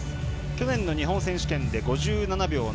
去年の日本選手権で５７秒７７。